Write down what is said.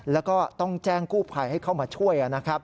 แล้วก็ต้องแจ้งกู้ภัยให้เขามาช่วย